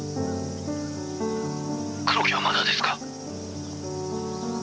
「黒木はまだですか？」